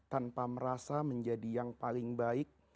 tanpa merasa menjadi yang paling baik